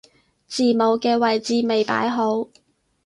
字母嘅位置未擺好